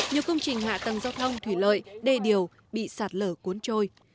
nhiều công trình hạ tầng giao thông thủy lợi đê điều bị sạt lở cuốn trôi